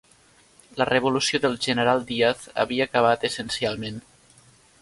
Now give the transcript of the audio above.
La revolució del general Diaz havia acabat essencialment.